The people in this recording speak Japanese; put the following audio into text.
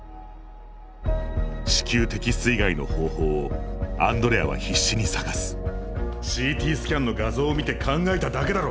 子宮摘出以外の方法をアンドレアは必死に探すＣＴスキャンの画像を見て考えただけだろ。